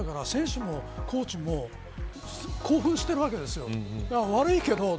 選手もコーチも興奮してるわけです。